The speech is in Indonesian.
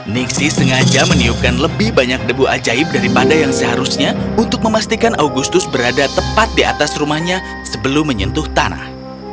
nixi sengaja meniupkan lebih banyak debu ajaib daripada yang seharusnya untuk memastikan augustus berada tepat di atas rumahnya sebelum menyentuh tanah